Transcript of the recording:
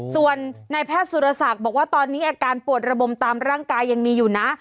ส่วนนายแพทย์สุรศักดิ์บอกว่าตอนนี้อาการปวดระบมตามร่างกายยังมีอยู่นะ